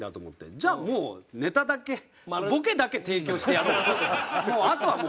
じゃあもうネタだけボケだけ提供してやろうと。